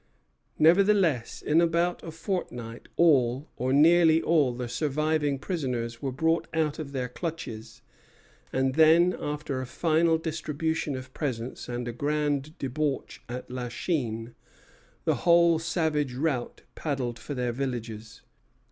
Nevertheless, in about a fortnight all, or nearly all, the surviving prisoners were bought out of their clutches; and then, after a final distribution of presents and a grand debauch at La Chine, the whole savage rout paddled for their villages.